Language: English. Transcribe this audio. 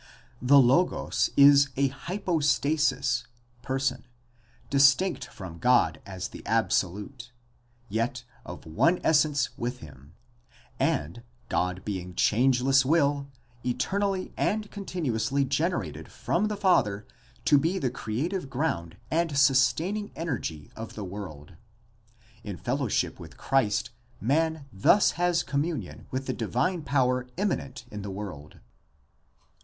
The Logos is a hypostasis (person) distinct from God as the Absolute yet of one essence with him, and, God being changeless will, eternally and con tinuously generated from the Father to be the, creative ground and sustaining energy of the world. In fellowship with Christ man thus has communion with the divine power immanent in the world.